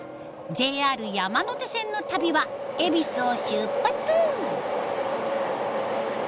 ＪＲ山手線の旅は恵比寿を出発！